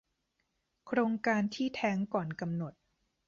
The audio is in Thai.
โครงการที่แท้งก่อนกำหนด